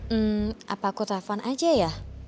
hmm apa aku telpon aja ya